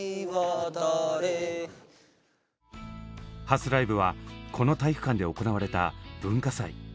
初ライブはこの体育館で行われた文化祭。